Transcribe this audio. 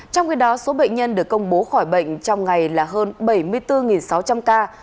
trong khi đó số bệnh nhân được công bố khỏi bệnh trong ngày là hơn bảy mươi bốn sáu trăm linh ca